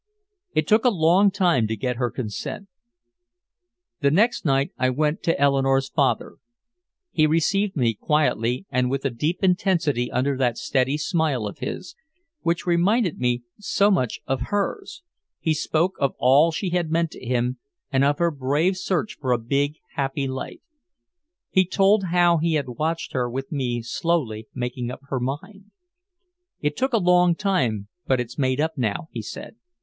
It took a long time to get her consent. The next night I went to Eleanore's father. He received me quietly, and with a deep intensity under that steady smile of his, which reminded me so much of hers, he spoke of all she had meant to him and of her brave search for a big, happy life. He told how he had watched her with me slowly making up her mind. "It took a long time, but it's made up now," he said.